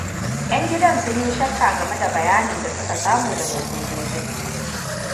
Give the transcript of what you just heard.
'Yan dangin sun yi shakka game da bayanin da suka samu daga sojojin.